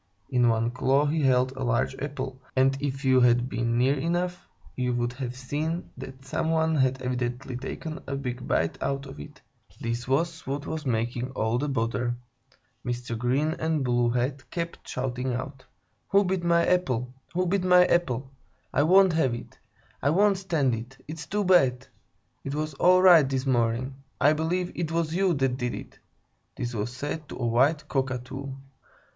In one claw he held a large apple, and if you had been near enough, you would have seen that some one had evidently taken a big bite out of it. This was what was making all the bother. Mr. Green and Blue Head kept shouting out: "Who bit my apple? Who bit my apple? I won't have it! I won't stand it! It's too bad! It was all right this morning! I believe it was you that did it!" (this was said to a white Cockatoo).